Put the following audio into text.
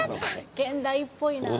現代っぽいなあ。